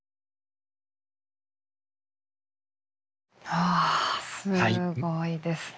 わすごいですね。